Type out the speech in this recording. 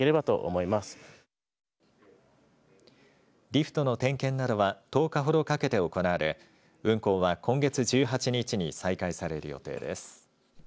リフトの点検などは１０日ほどかけて行われ運行は今月１８日に再開される予定です。